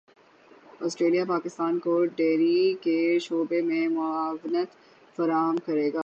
Australia Pakistan کو dairy کے شعبے میں معاونت فراہم کرے گا